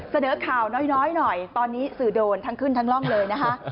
เสนอข่าวน้อยหน่อยตอนนี้สื่อโดนทั้งขึ้นทั้งร่องเลยนะคะ